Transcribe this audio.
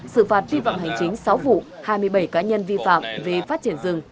sự phạt vi phạm hành chính sáu vụ hai mươi bảy cá nhân vi phạm về phát triển rừng